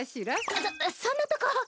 そそんなとこ。